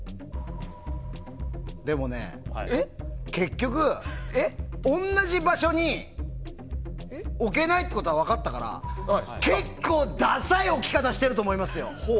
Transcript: でもね、結局同じ場所に置けないってことは分かったから結構、ダサい置き方してると思いますよ。